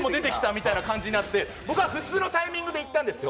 みたいになって、僕は普通のタイミングで行ったんですよ。